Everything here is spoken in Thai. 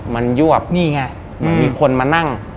มันยวบมีคนมานั่ง